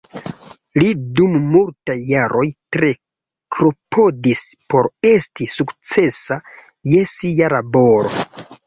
Li dum multaj jaroj tre klopodis por esti sukcesa je sia laboro.